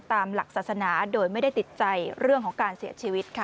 ตามหลักศาสนาโดยไม่ได้ติดใจเรื่องของการเสียชีวิตค่ะ